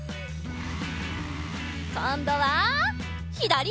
こんどはひだり！